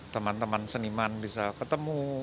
teman teman seniman bisa ketemu